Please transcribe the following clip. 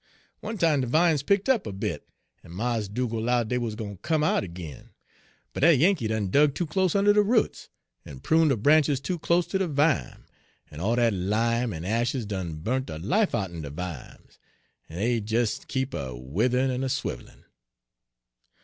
One time de vimes picked up a bit, en Mars Dugal' 'lowed dey wuz gwine ter come out ag'in; but dat Yankee done dug too close under de roots, en prune de branches too close ter de vime, en all dat lime en ashes done burn' de life out'n de vimes, en dey des kep' a with'in' en a swivelin'.